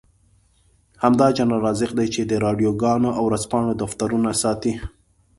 همدا جنرال رازق دی چې د راډيوګانو او ورځپاڼو دفترونه ساتي.